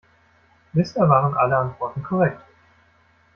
Bisher waren alle Antworten korrekt.